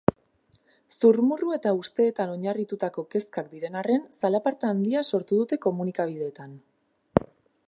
Zurrumurru eta usteetan oinarritutako kezkak diren arren, zalaparta handia sortu dute komunikabideetan.